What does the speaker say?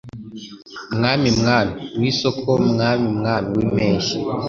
Mwami Mwami wIsoko Mwami Mwami wimpeshyi